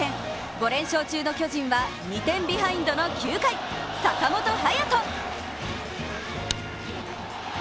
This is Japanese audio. ５連勝中の巨人は２点ビハインドの９回、坂本勇人。